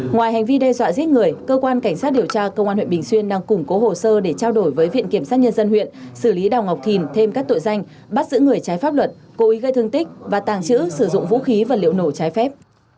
ngoài hành vi đe dọa giết người cơ quan cảnh sát điều tra công an huyện bình xuyên đang củng cố hồ sơ để trao đổi với viện kiểm sát nhân dân huyện xử lý đào ngọc thìn thêm các tội danh bắt giữ người trái pháp luật cố ý gây thương tích và tàng trữ sử dụng vũ khí và liệu nổ trái phép